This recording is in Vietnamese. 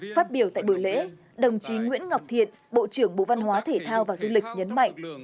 phát biểu tại buổi lễ đồng chí nguyễn ngọc thiện bộ trưởng bộ văn hóa thể thao và du lịch nhấn mạnh